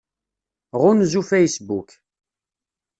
Ɣunzu Facebook.